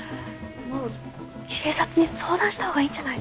もう警察に相談したほうがいいんじゃないの？